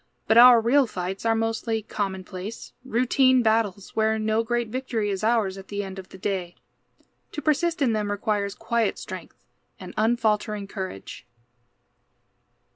But our real fights are mostly commonplace, routine battles, where no great victory is ours at the end of the day. To persist in them requires quiet strength and unfaltering courage.